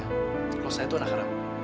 kalau saya itu anak haram